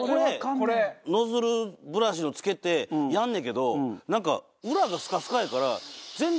これノズルブラシの付けてやんねんけどなんか裏がスカスカやから全然吸引せえへんやんか。